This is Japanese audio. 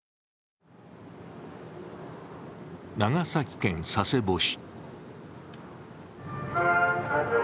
長崎県佐世保市。